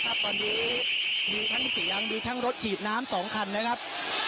ตอนนี้มีทั้งเสียงมีทั้งรถฉีดน้ำ๒คันนะครับ